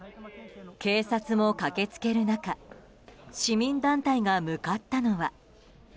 警察も駆けつける中市民団体が向かったのは。